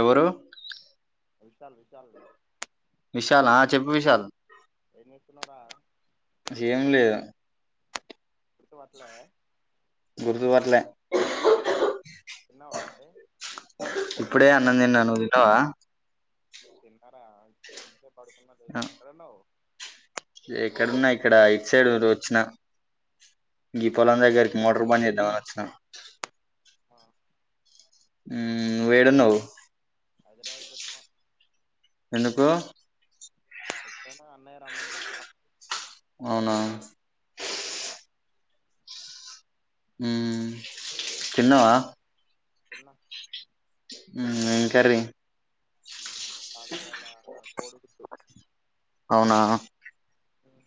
ఎవరు చాలు చాలు విశాల్ ఆ చెప్పు విశాల్ ఏమ్ చేస్తున్నావ్ రా ఏం లేదు గుర్తుపట్టలే గుర్తుపట్లే తిన్నావా మరి ఇప్పుడే అన్నం తిన్నాను నువ్వు తిన్నావా తిన్నారా ఇంట్లో పడుకున్న ఆ, లేసిన ఎక్కడ ఉన్నావ్ ఎక్కడున్నా ఇక్కడ ఇటు సైడ్ వచ్చిన ఈ పొలం దగ్గరికి మోటార్ బంద్ చేద్దాం అని వచ్చిన ఆ ఉమ్ నువ్వు ఏడున్నావ్ ఆదిలాబాద్ కొచ్చన ఎందుకు ఆ అన్నయ రమ్మంటే వచ్చిన అవునా ఉమ్ తిన్నావా తిన్న ఉమ్ ఏం కర్రీ ఆడియ్యలా కోడి గుడ్డు అవునా ఉమ్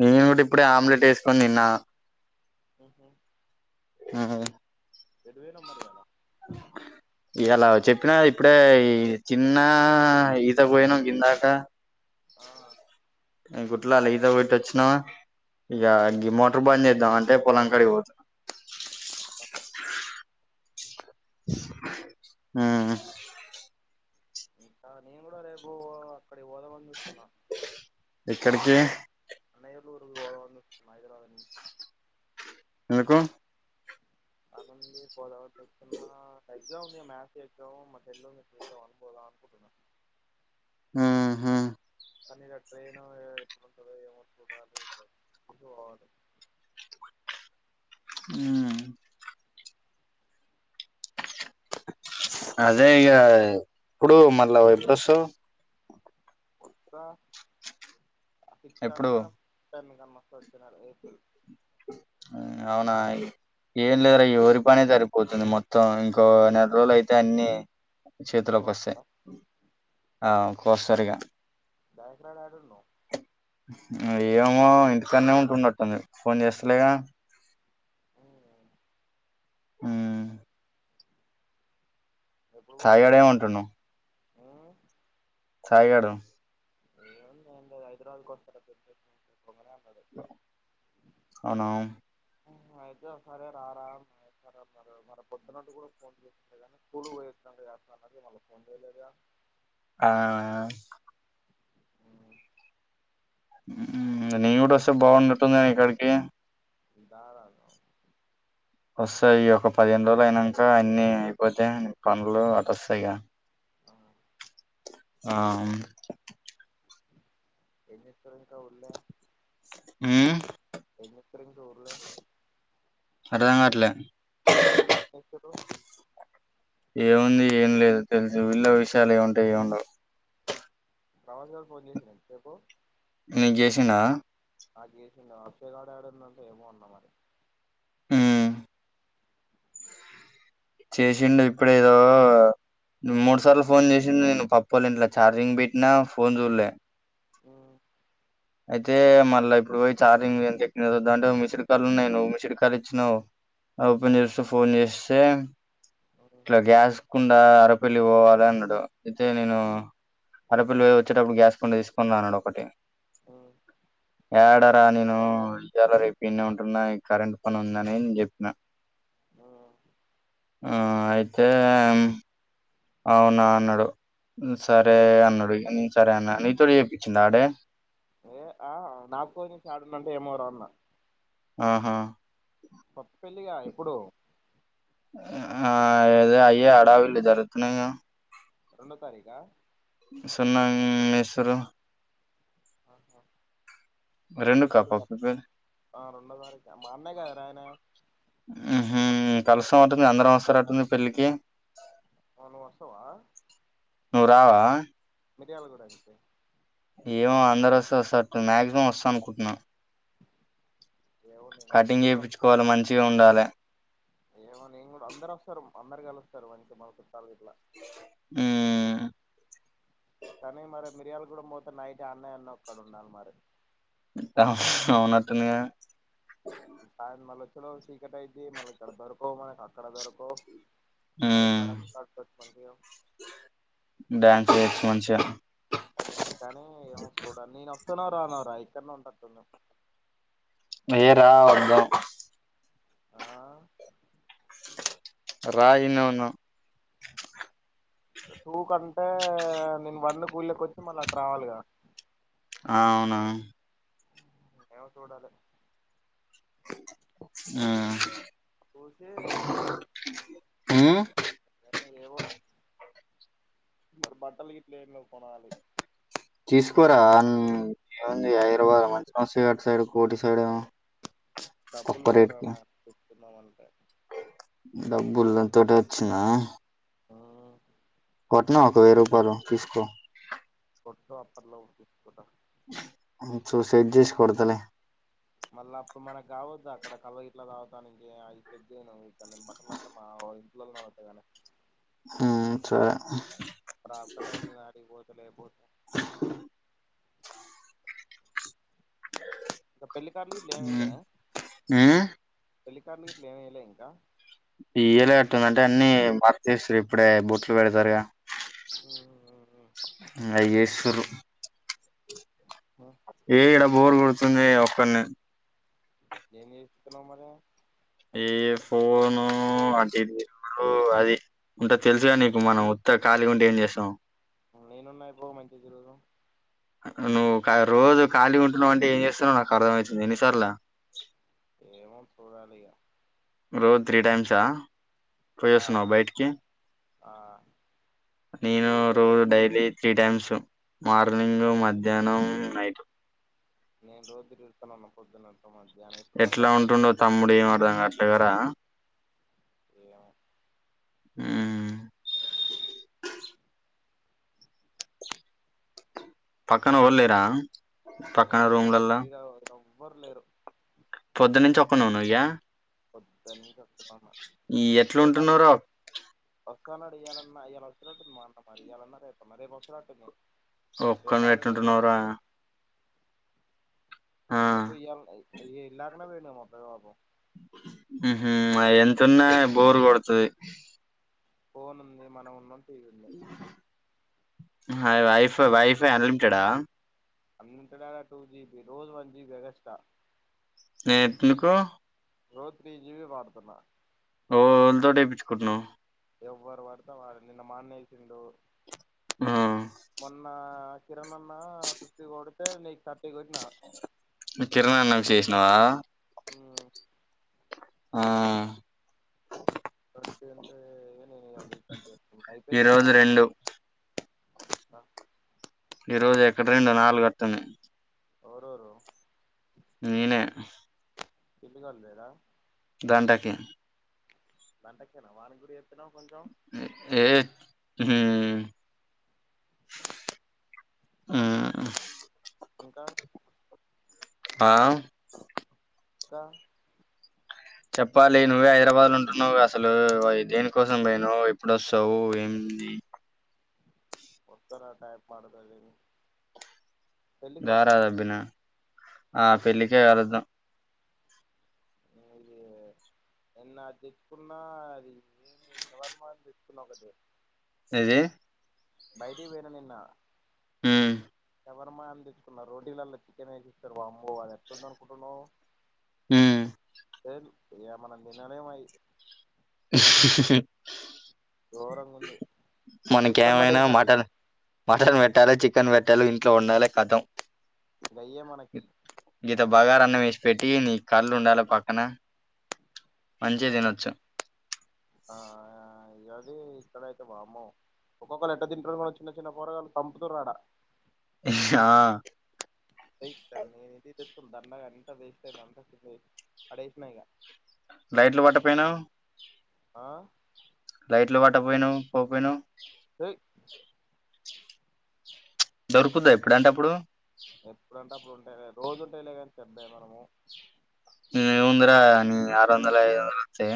నేను కూడా ఇప్పుడే ఆమ్లెట్ వేసుకొని తిన్న అహ ఆ ఎటువైనావ్ మరి ఇయ్యాల ఇయాలా చెప్పిన కదా ఇప్పుడే ఈ తిన్నా ఈతకి పోయినం గిందాకా ఏమ్ గుట్లలో ఈతకొట్టి వచ్చినామ్ ఇగ ఈ మోటర్ బండి ఇద్దామని గి తే పొలంకాడికి పోత ఉమ్ ఇంకా నేను కూడా రేపు అక్కడికి పోదామని చూస్తున్నా ఎక్కడికి ూరుఐరావా ఎందుకు అనందికి పోదామని చూస్తున్నా ఎగ్జామ్ ఉంది మ్యాథ్స్ ఎగ్జామ్ తెలుగు ఉందా అయిపోయాక పోదామనుకుంటున్నాను ఆ హా కానీ ఇలా ట్రైన్ ఎప్పుడుంటందో ఏమో చూడాలి ఇకు పోవాల ఆ అదే ఇక ఇప్పుడు మళ్ళా వై బస్ కొత్తా ఎప్పుడు అహకన్నా మీకా మస్తా వచ్చన్నారు ఏబల్ అవునా ఏం లేదురా ఈ ఓరి పనే జరిగిపోతుంది మొత్తం ఇంకో నెల రోజులు అయితే అన్నిీ చేతిలోకి వస్తాయి వస్తారా ఆ కోసరిగా బాకరాడ ఆడ ఏమో ఇంటికనే ఉంటుండట్టుంది ఫోన్ చేస్తలేగా ఉమ్, ఆ సాయిడ ఏమంటున్నా ఆ టయగాడు ఏ ఎ హైదరాబాద్ కొస్తార తె అవునా అయితే ఒకసరే రారారే మ మ పొద్దునట్టు కూడా ఫోన్ చేసి కానీ స్కూల్ పోయిస్తున్నాం కద సార్ అ మళ్ళీ ఫోన్ చేయలేదు ఆ ఉమ్, నీ కూడా కూడా వస బాగుంట్ందక్కడికి ఇధారద వస్తాయి ఒక పదిహేను రోజులు అయినాక అన్ని అయిపోతే పనులు అటు వస్తాయి ఆ ఆ ఏజ ఇత్ర కవుర్లే ఉమ్ అ ఇత్రం చూర్లే అరదాంగాట్లే చేస్తారు ఏముంది ఏం లేదు తెలుసు వీళ్ళ విషయాలు ఏముంటాయ ఏ ఉండవు ప్రవాస్ గారు ఫోన్ చేసినడి సేపు నేను చేసిన ఆ జేషంట వాషయకాడ ఆడంద ఫేమ అంద మరి ఉమ్ చేసిండడు ఇప్పుడు ఏదో మూడు సార్లు ఫోన్ చేసిండడు నేను పప్పాల ఇంట్లో ఛార్జింగ్ పెట్టినా ఫోన్ చూడలే ఆ అయితే మళ్ళా ఇప్పుడు పోయి ఛార్జింగ్ ఎంత ఎక్కింటే మిస్డ్ కాలు ఉన్నాయ ను్ మిసిడ్ కాల్ ఇచ్చినావు ఓపెన్ చూస్తూ ఫోన్ చేస్తే ఇలా ఉమ్ గ్యాస్ కు అరపిల్లి పోవాలి అన్నాడు అయితే నేను అరపిల్లి పోయి వచ్చేటప్పుడు గ్యాస్ పండి తీసుకుందా అన్నాడు ఒకటి ఏడరా నేను జర రపీన్న ఉంటున్నా కరెంట్ పని ఉందని నేను చెప్పిన ఆ ఆ అయితే అవునా అన్నాడు సరే అన్నాడు సరే అన్న నీతోడు చేయిచింది ఆడే ఏ ఆ నా కొంచెం ఆడునంటే ఏమో రా అలా ఆహా పప్ప పెళ్ళగా ఇప్పుడు ఆ ఏద అయ్యే ఆడావలి జరుగుతున్నా రెండో తారీఖ సన్నా మసరు ఆఓహ రెండు రెండో కప్ప తారీఖు ప్రిపేర్ ఆ రెండో తారీఖు మా అన్నయ కద ఆయన ఉహూ కలిసం అంటుంది అందరం వస్తారు అంటుంది పెళ్ళికి అవును నువ్వొస్తావా నువ్వు రావా మిరియాల కూడాగితే ఏమో అందరు వస్తే మాక్సిమం వస్తా అనుకుంటున్నాను ఏమో నేనా నేను కటింగ్ చేపించుకోవాలి మంచిగా ఉండాలి ఏమని ఏం కూడా అందరు వస్తారు అందరు కలుస్తారు మంట ఉమ్.. కానీ మరి మిరియాలుగూడెం పోత నైట్ అన్నయ్యన్న ఒక్కడ ఉండాలి మరి ఉనాతో న సాయ మళ్ళ వచ్చ చీకట అయితే మళ్ళ ఇక్కడ దొరకోవు మనకి అక్కడ దొరకో ్యాన్స మంచి కానీ ఏమో చూడ నేను వస్తానో రాను రా ఇక్కన్నా ఉంటటుంది సేరా వందా ఆ రాయి నవును తూ క అంటే నేను వర్ణ కూళ్ళక వచ్చి మళ్ళీ అటు రావాలిగా ఆ అవునా ఏవ చూడాల ఆ ఊసే ఆ ఏవో బట్టలు గిట్ల కొనాలి తీసుకోరా ఏముంది హైదరాబాద్ మధన శ్రీట్ సైడ్ కోటి సైడ్ ఏమో తక్కువ డప్పుల్లో రేట్ రామ కి చెప్కుందామం డబ్బుల తటి వచ్చినా ఆ కోట్న ఒక వెయ్యి రూపాయలు తీసుకో కొట్ వాపర్లో ఉంట తీసుకు చో సేట్ చేసి కొతలే మళ్ళీ అప్పుడు మనకి కావద్దు అక్కడ కళ్ళ ఇట్లా తాగుతాంక అవి పెగ్ను కం బట్టల అంటే మా వటగానే అ స బ పెళ్ళికాడ్లు లేం ఉమ్ ఐయ్యలేదా ఉమ్ పెళ్లికారులు ఇట్లు ఏమయలే ఇంకా ఇయ్యలే కట్టుంది అంటే అన్ని బర్తస్తారు ఇప్పుడే బొట్లు పెడతారుగా ఉమ్ తరు ఏడం బోర్ కొడుతుంది ఒక్కనే ఏంచేస్తునావ్ నువ్వు ఈ ఫోను అది అంటే తెలుసుగా నీకు మనం ఉత్త ఖాళీగ ఉంటే ఏం చేస్తాం నేనున్నాయి బ్రో మంచి [unintelligible] నువ్వు రోజు ఖాళీ ఉంటున్నావు అంటే ఏం చేస్తున్నావో నాకు అర్థమయితుంది ఎన్నిసార్ల ఏమో చూడాలిక రోజు త్రీ టైమ్స్ ఆ ఆ పోయిస్తున్నావ బయటికి ఆ నేను తిరుగుడే రో రోజు డైలీ త్రీ టైమ్స్ మార్నింగు మధ్యానం నైట్ నేను [unintelligible] పొద్దున్నంత ఎట్ల ఉంటుండో తమ్ముడు ఏమర్ధంకావట్లే కదా ఏమో ఉమ్ పక్కన ఎవర్లేరా ఎవ్వరు లేరు ఫ్రీగ ఉన్న ఎవ్వరు లేరు పొద్దు నుంచి ఒక్కనువే ఉన్నవ ఇగా [inaudible] ఈ ఎట్లుంటున్నావురా వసడియాలన్నాయాల వసరాటు మా అన్న మరియాలన్నా రేపు మ రేపు వసరాటుంది ఒక్కనివి ఎట్టుంటున్నావురా ఎందుకు ఇయ్యాల ఉన్నాయి అయ్యే ఇళ్లా ఎక్కడ పోయిందో పెద్దబాపు హహ్ ఎంతున్నా బోరు కొడుతది ఫోన్ ఉంది మనం ఉన్న హ వైఫై వైఫై అన్లిమిటెడ్ ఆహ్ ముందు లాగా టూ జిబి రోజు వన్ జీబి ఎగస్ట్రా ఎట్లుకో రో త్రీ జీబి వాడుతున్న ఓ ఓవల్తోని ఏపీచుకుంటున్నావ్ ఎవ్వరు పడితే వాళ్లు నిన్న మా అన్న ఎసిండు ఆ! మొన్నా కిరణన్నా సుష్ కొడితే లైక్ర్ కిరణ అన్న విశేష నా మ్మ్ ఆ ఏంటంటే ఏమి వాల్ద్ కట్ చేస్తే ఈ అయిపోయింది నాది రోజు ఆల్రెడీ రెండు అ ఈ రోజు ఎక్కడ్రెండు నాలుగు వత్తుంది ఎవరెవరు నేనే ఇల్లు గాల్లేదా గంటకి గంటకేన వానిక్కూడ చెప్ పినవ్ కొంచం హ్ హ్మ్ హ్మ్. ఇంకా ఆ ఇంకా చెప్పాలి నువ్వే హైదరాబాద్ లో ఉంటున్నావుగా అసలు దేని కోసం పోయినవ్ ఎప్పుడొస్తావు ఏం ది వొత్తరా టైమ్ పడుతది గారా అబ్బిన ఆ పెళ్ళికే కలుద్దాం ఇది నిన్న అది తెచ్చుకున్నా అది ఎమ్లేదు షవర్మ అని తెచ్చుకున్నా ఒకటి ఏంది బయటికి పోయిన నిన్న హ్మ్ షవర్మా అని తెచ్చుకున్నా రోటీలల్లో చికెన్ వేసిస్తారు వామ్మో అది ఎట్లుంది అనుకుంటున్నావు హ్మ్ సేమ్ ఇగ మనం తినలేమయ్యు హ్మ్ హు హు హు గోరంగుంది మొత్తం మనకేమైనా పడేసిన మటన్ మటన్ పెట్టాలె చికెన్ పెట్టాలె ఇంట్లో ఉండాలె కతం గయ్యే మనకి ఇంత బగారన్నం వేసి పెట్టి నీ కళ్ళు ఉండాలె పక్కన మంచిగ ఉమ్, తినొచ్చు ఆ ఇగది ఇక్కడైతే వామ్మో ఒక్కొక్కలు ఎట్ట తింటుర్రు చిన్న చిన్న పోరగల్లు సంపుతుర్రాడ ఆ ఏయ్ కన్నేదిత త్తం దండగా అంత వేస్టయ్యింది అంత సుద్ వేస్ పడేసిన ఇగ లైట్లు పట్టపోయినవ్ ఆ లైట్ లో పట్టపోయినవ్ పోపోయినవ్ ఏయ్ దొరుకుద్దా ఎప్పుడంటప్పుడు ఎప్పుడంటప్పుడు ఉంటదే రోజు ఉంటేలే కాని చెద్దాయి మనము ఏముందిరా ఆరు వందల ఐదు వందల వస్తే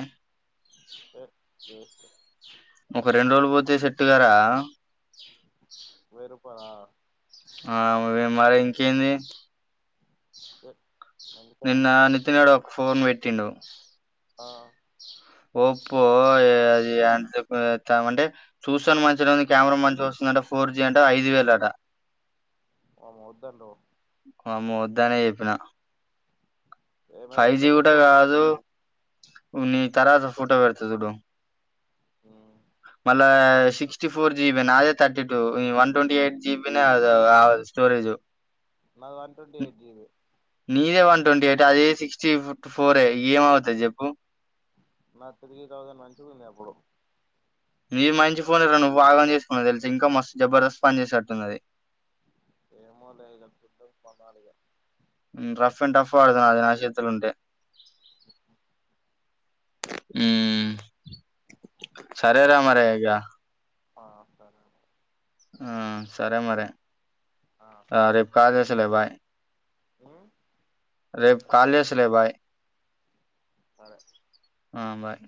ఆ ఆ ఒక రెండు రోజులు పోతే చెట్టు గారా మీరు ఆ మరి ఇంకేంది స నిన్న నిత్యన్ నడు ఫోన్ పేట్టిండు ఆ ఒప్పో అది అ అంటే చూస్తాను మంచిగా కెమెరా మంచిగా వస్తుందింట ఫోర్ జి అంటే ఐదు వేలు అట వామ్మో వద్దాందో వామ్మో వద్దానే చేపినా ఏమ ఫైవ్ జి ఎట్లుంది కూడా ఫోను కాదు నీ తర్వాత ఫోటో పెడుతు చడు ఓ మళ్ళా సిక్స్టీ ఫోర్ జిబిని అదే thirty two one twenty eight GB అ స్టోరేజ్ అది వన్ ట్వంటీ ఎయిట్ జీ నీదే వన్ ట్వంటీ ఎయిట్ అదే సిక్స్టీ ఫోర్ ఏమవుతుది చెప్పు నా త్రీ థౌసండ్ మంచి ఉంది అప్పుడు మీరు మంచి ఫోన్లను నువ్వు ఆగం చేసుకుని తెలిసి ఇంకా మస్తు జబర్దస్త్ పనిచేసేట్టున్నది ఏమో లే ఇగ ఫడ్ం పోనాలిక రఫ్ అండ్ టడఫ ఆదన్నా అద ఆశీత ఉంటే అ సరేరా మారి అయ్యా ఆ సరే అ ఆ సరే మరి ఆ రేపు కాల్ చేస్తాలే బాయ్ ఆ [unintelligible] రేపు కాల్ చేస్తలే భాయి సరే ఆ బాయ్